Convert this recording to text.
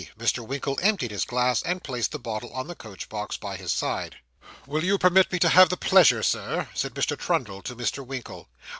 Mr. Winkle emptied his glass, and placed the bottle on the coach box, by his side. 'Will you permit me to have the pleasure, Sir?' said Mr. Trundle to Mr. Winkle.